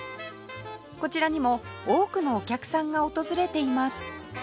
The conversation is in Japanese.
こちらにも多くのお客さんが訪れています